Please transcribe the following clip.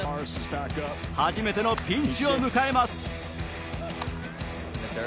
初めてのピンチを迎えます。